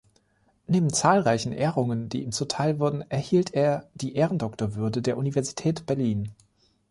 Neben zahlreichen Ehrungen, die ihm zuteil wurden, erhielt er die Ehrendoktorwürde der Universität Berlin.